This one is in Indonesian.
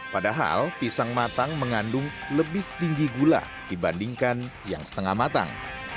padahal pisang matang mengandung lebih tinggi gula dibandingkan yang setengah matang